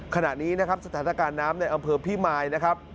ขณะนี้นะครับสถานการณ์น้ำในอำเภอพี่มายนะครับ